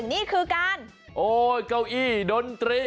นี่คือการโอ้ยเก้าอี้ดนตรี